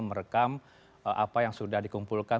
merekam apa yang sudah dikumpulkan